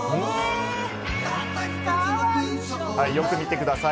よく見てください。